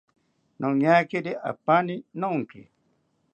Noñakiri apaani nonki